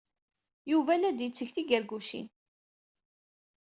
Yuba la d-yetteg tigargucin.